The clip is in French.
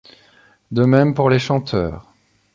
De même pour les chanteurs.